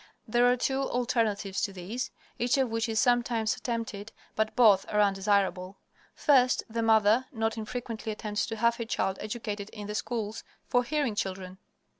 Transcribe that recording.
There are two alternatives to this, each of which is sometimes attempted, but both are undesirable. First the mother not infrequently attempts to have her child educated in the schools for hearing children.